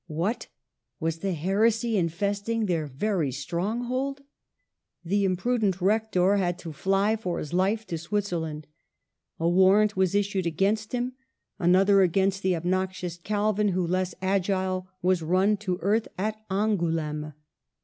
What ! was the heresy infesting their very stronghold? The imprudent Rector had to fly for his life to Switzerland. A warrant was issued against him ;, another against the ob noxious Calvin, who, less agile, was run to earth at Angouleme.